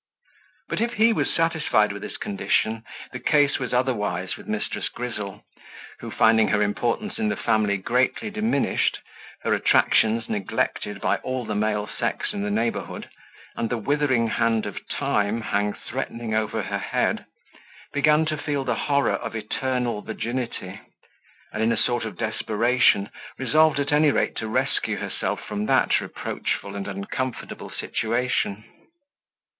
But if he was satisfied with his condition, the case was otherwise with Mrs. Grizzle, who, finding her importance in the family greatly diminished, her attractions neglected by all the male sex in the neighbourhood, and the withering hand of time hang threatening over her head, began to feel the horror of eternal virginity, and, in a sort of desperation, resolved at any rate to rescue herself from that reproachful and uncomfortable situation.